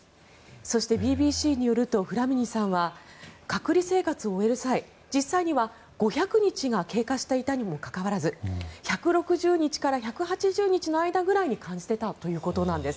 そして、ＢＢＣによるとフラミニさんは隔離生活を終える際実際には５００日が経過していたにもかかわらず１６０日から１８０日の間ぐらいに感じていたということなんです。